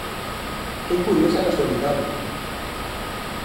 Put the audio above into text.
¡Que curiosa casualidade!